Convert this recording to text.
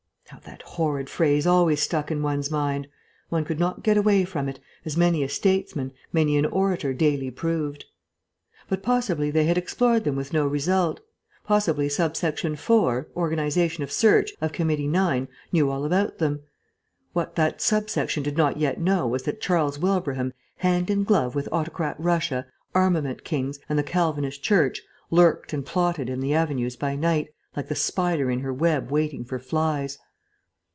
(How that horrid phrase always stuck in one's mind; one could not get away from it, as many a statesman, many an orator daily proved.) But possibly they had explored them with no result. Possibly Sub section 4 (Organisation of Search) of Committee 9 knew all about them. What that sub section did not yet know was that Charles Wilbraham, hand in glove with autocrat Russia, armament kings, and the Calvinist church, lurked and plotted in the avenues by night, like the spider in her web waiting for flies.